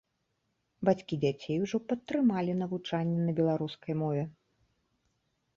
Бацькі дзяцей ужо падтрымалі навучанне на беларускай мове.